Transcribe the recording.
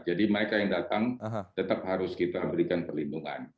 jadi mereka yang datang tetap harus kita berikan perlindungan